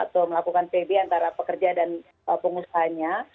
atau melakukan pb antara pekerja dan pengusahanya